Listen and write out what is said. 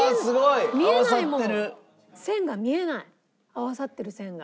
合わさってる線が。